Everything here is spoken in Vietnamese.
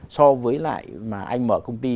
so với lại mà anh mở công ty